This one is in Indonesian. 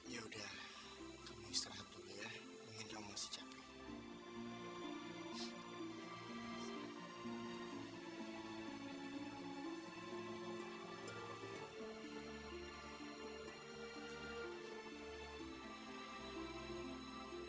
ya udah kami istirahat dulu ya mungkin kamu masih capek